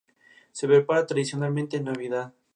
Se prepara tradicionalmente en Navidad.